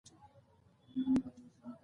افغانستان د ځمکه له پلوه متنوع دی.